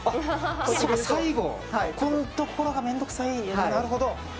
最後のここのところが面倒くさい、なるほど。